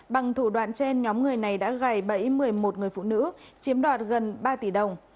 bằng thủ đoạn trên nhóm người này đã gầy bẫy một mươi một người phụ nữ chiếm đoạt gần ba tỷ đồng